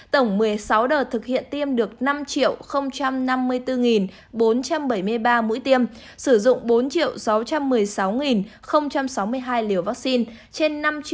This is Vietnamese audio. tổng một mươi sáu đợt thực hiện tiêm được năm năm mươi bốn bốn trăm bảy mươi ba mũi tiêm sử dụng bốn sáu trăm một mươi sáu sáu mươi hai liều vaccine